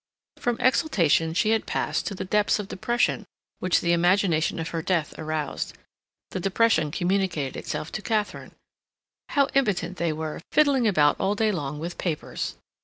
From exultation she had passed to the depths of depression which the imagination of her death aroused. The depression communicated itself to Katharine. How impotent they were, fiddling about all day long with papers!